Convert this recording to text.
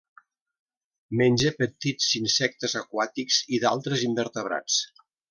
Menja petits insectes aquàtics i d'altres invertebrats.